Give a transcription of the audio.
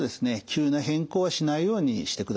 急な変更はしないようにしてください。